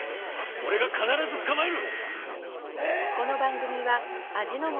俺が必ず捕まえる！